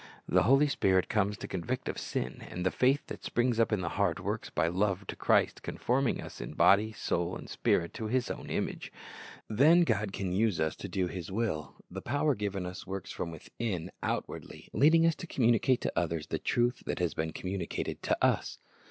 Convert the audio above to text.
The Holy Spirit comes to convict of sin, and the faith that springs up in the heart works by love to Christ, conforming us in body, soul, and spirit, to His own image. Then God can use us to do His will. The power given us works from within outwardly, leading us to communicate to others the truth that has been com municated to us.